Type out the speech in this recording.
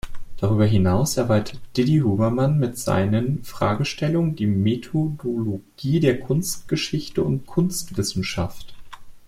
Darüber hinaus erweitert Didi-Huberman mit seinen Fragestellungen die Methodologie der Kunstgeschichte und Kunstwissenschaft.